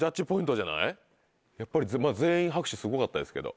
やっぱり全員拍手すごかったですけど。